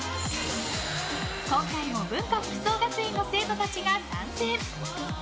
今回も文化服装学院の生徒たちが参戦。